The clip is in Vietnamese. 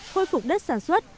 khôi phục đất sản xuất